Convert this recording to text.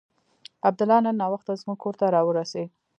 عبدالله نن ناوخته زموږ کور ته راورسېد.